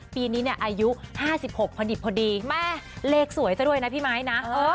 ปีนี้เนี่ยอายุ๕๖พอดิบพอดีแม่เลขสวยซะด้วยนะพี่ไม้นะ